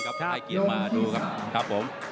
ให้เกียจมาดูครับ